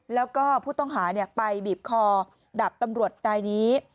แล้วก็ผู้ต้องหาไปบีบคอดับตำรวจนายนี้